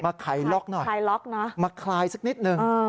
มาคลายล็อกหน่อยมาคลายสักนิดหนึ่ง